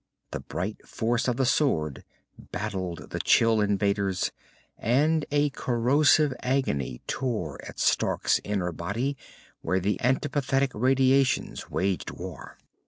The bright force of the sword battled the chill invaders, and a corrosive agony tore at Stark's inner body where the antipathetic radiations waged war.